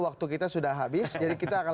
waktu kita sudah habis jadi kita akan